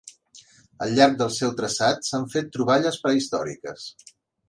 Al llarg del seu traçat s'han fet troballes prehistòriques.